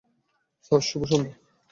Sir, শুভসন্ধ্যা।